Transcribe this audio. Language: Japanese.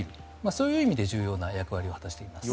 そういう意味で重要な役割を果たしています。